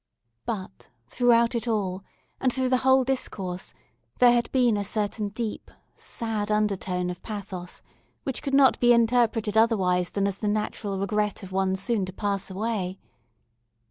But, throughout it all, and through the whole discourse, there had been a certain deep, sad undertone of pathos, which could not be interpreted otherwise than as the natural regret of one soon to pass away.